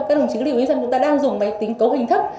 các đồng chí lưu ý rằng chúng ta đang dùng máy tính cấu hình thức